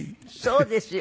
そうですよ。